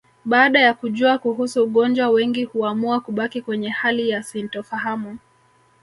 Baada ya kujua kuhusu ugonjwa wengi huamua kubaki kwenye hali ya sintofahamu